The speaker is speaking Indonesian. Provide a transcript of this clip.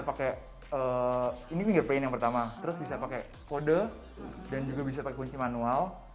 pakai ini fingerpaint yang pertama terus bisa pakai kode dan juga bisa pakai kunci manual